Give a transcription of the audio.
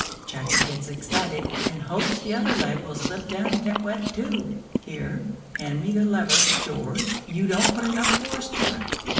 Jacky gets excited, and hopes the other leg will slip down and get wet, too! "Here, hand me the lever, George; you don't put enough force to it."